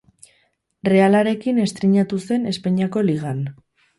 Realarekin estreinatu zen Espainiako Ligan.